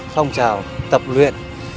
phong trào tập luyện